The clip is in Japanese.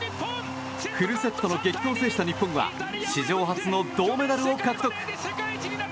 フルセットの激闘を制した日本は史上初の銅メダルを獲得。